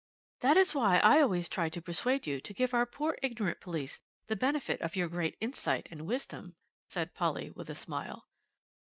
"That is why I always try to persuade you to give our poor ignorant police the benefit of your great insight and wisdom," said Polly, with a smile.